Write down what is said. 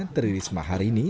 teririsma hari ini